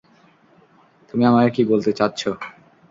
তুমি আমাকে কি বলতে চাচ্ছো?